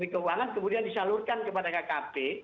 kemudian disalurkan kepada kkp